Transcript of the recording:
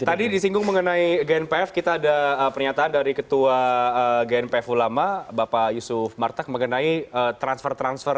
tadi disinggung mengenai gnpf kita ada pernyataan dari ketua gnpf ulama bapak yusuf martak mengenai transfer transfer